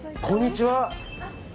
こんにちは。